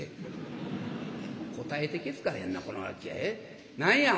「答えてけつかれへんなこの。何や？